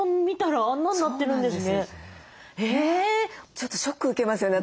ちょっとショック受けますよね。